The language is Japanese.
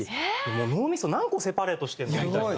もう脳みそ何個セパレートしてるの？みたいな。